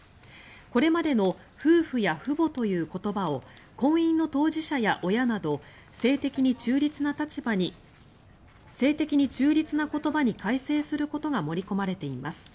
これまでの夫婦や父母という言葉を婚姻の当事者や親など性的に中立な言葉に改正することが盛り込まれています。